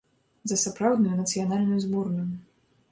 За сапраўдную нацыянальную зборную.